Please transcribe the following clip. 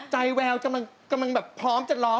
ใจแววกำลังพร้อมจะร้อม